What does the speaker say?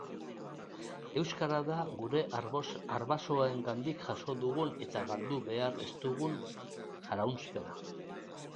Euskara da gure arbasoengandik jaso dugun eta galdu behar ez dugun jaraunspena.